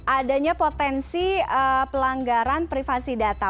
adanya potensi pelanggaran privasi data